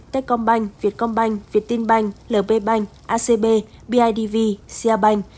tết công banh việt công banh việt tin banh lb banh acb bidv sia banh